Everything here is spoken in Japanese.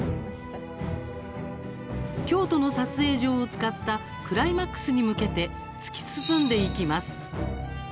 京都の撮影所を使ったクライマックスに向けて突き進んでいきます。